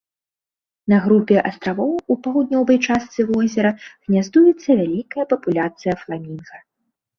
На групе астравоў у паўднёвай частцы возера гняздуецца вялікая папуляцыя фламінга.